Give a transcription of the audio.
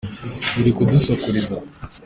Uri kudusakuriza.